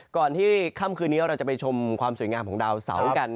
ก่อนที่ค่ำคืนนี้เราจะไปชมความสวยงามของดาวเสากัน